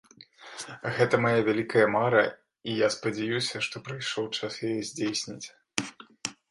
Гэта мая вялікая мара, і я спадзяюся, што прыйшоў час яе здзейсніць!